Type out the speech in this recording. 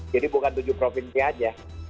jadi bukan tujuh provinsi saja